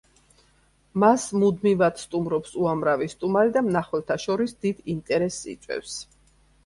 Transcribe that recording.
მას მუდმივად სტუმრობს უამრავი სტუმარი და მნახველთა შორის დიდ ინტერესს იწვევს.